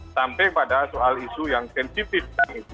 sampai pada soal isu yang sensitif